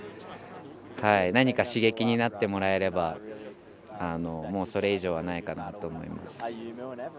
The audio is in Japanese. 何か刺激になってもらえればそれ以上はないかなと思います。